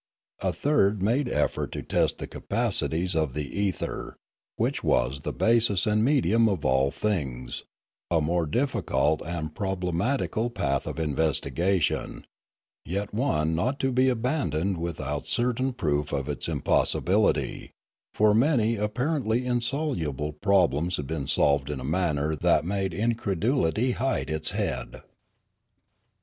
A third made effort to test the capacities of the ether, Fialume 87 which was the basis and medium of all things, a more difficult and problematical path of investigation, yet one not to be abandoned without certain proof of its impossibility; for many apparently insoluble problems had been solved in a manner that made incredulity hide its head.